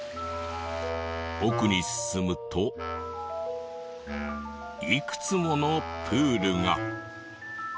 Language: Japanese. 奥に進むといくつものプールが。